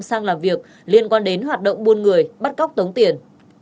sang làm việc liên quan đến hoạt động buôn người bắt cóc tống tiền